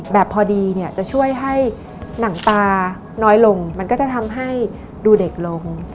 แบบพอดีเนี่ยจะช่วยให้หนังตาน้อยลงมันก็จะทำให้ดูเด็กลง